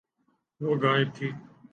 وہ غائب تھی۔